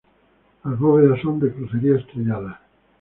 Las bóvedas son de crucería estrellada.